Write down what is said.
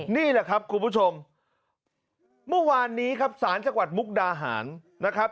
นี่แหละครับคุณผู้ชมเมื่อวานนี้ครับศาลจังหวัดมุกดาหารนะครับ